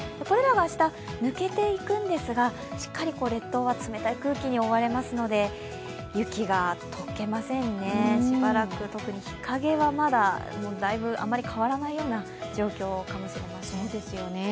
これらは明日、抜けていくんですが列島は冷たい空気に覆われますので雪が解けませんね、しばらく特に日陰はまだだいぶ、あまり変わらないような状況かもしれません。